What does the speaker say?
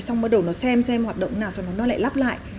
xong bắt đầu nó xem xem hoạt động nào rồi nó lại lắp lại